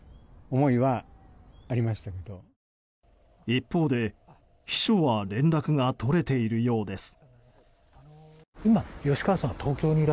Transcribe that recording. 一方で秘書は連絡が取れているようです。